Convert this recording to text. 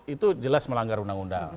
itu jelas melanggar undang undang